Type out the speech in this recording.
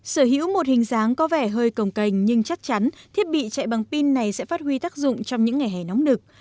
sở hữu một hình dáng có vẻ hơi cồng cành nhưng chắc chắn thiết bị chạy bằng pin này sẽ phát huy tác dụng trong những ngày hè nóng đực